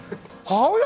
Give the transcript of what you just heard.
母親！？